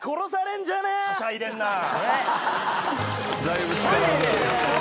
はしゃいでんなぁ。